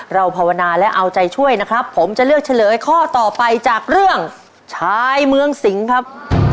ภาวนาและเอาใจช่วยนะครับผมจะเลือกเฉลยข้อต่อไปจากเรื่องชายเมืองสิงครับ